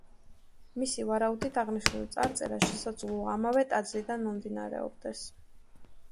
მისი ვარაუდით აღნიშნული წარწერა შესაძლოა ამავე ტაძრიდან მომდინარეობდეს.